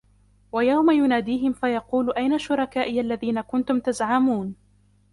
وَيَوْمَ يُنَادِيهِمْ فَيَقُولُ أَيْنَ شُرَكَائِيَ الَّذِينَ كُنْتُمْ تَزْعُمُونَ